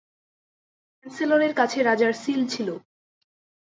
চ্যান্সেলরের কাছে রাজার সীল ছিল।